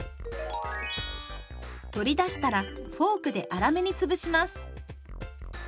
取り出したらフォークで粗めにつぶします。